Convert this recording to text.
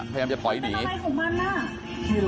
พยายามจะถอยหนีมันมันอะไรของมันล่ะใครรู้